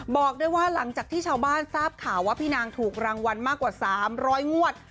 บอกด้วยว่าหลังจากที่ชาวบ้านทราบข่าวว่าพี่นางถูกรางวัลมากกว่า๓๐๐งวด